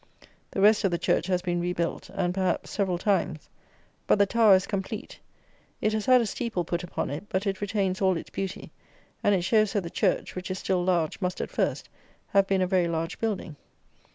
The rest of the church has been rebuilt, and, perhaps, several times; but the tower is complete; it has had a steeple put upon it; but it retains all its beauty, and it shows that the church (which is still large) must, at first, have been a very large building.